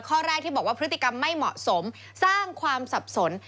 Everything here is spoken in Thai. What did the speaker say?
ข้อแรกที่บอกว่าพฤติกรรมไม่เหมาะสมสร้างความสับสน